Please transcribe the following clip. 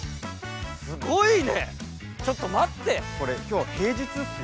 すごいねちょっと待ってこれ今日は平日ですよ